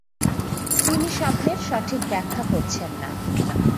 তিনি স্বপ্নের সঠিক ব্যাখ্যা করছেন না।